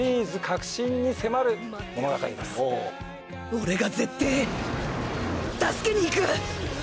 俺が絶対助けにいく！